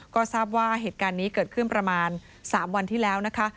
ก็ทราบว่าเหตุการณ์นี้เกิดขึ้นประมาณ๓วันที่แล้วนะคะ